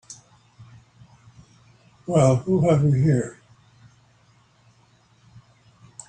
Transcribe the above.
Well who have we here?